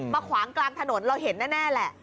ขวางกลางถนนเราเห็นแน่แหละ